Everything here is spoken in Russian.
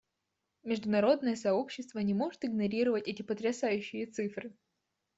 Международное сообщество не может игнорировать эти потрясающие цифры.